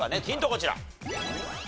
こちら。